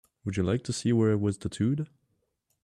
Would you like to see where I was tattooed?